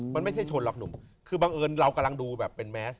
มันไม่ใช่ชนหรอกหนุ่มคือบังเอิญเรากำลังดูแบบเป็นแมส